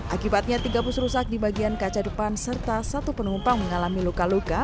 akibatnya tiga bus rusak di bagian kaca depan serta satu penumpang mengalami luka luka